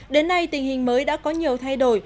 đến nay tình hình mới đã có nhiều thay đổi